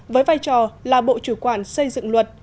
với vai trò là bộ chủ quản xây dựng luật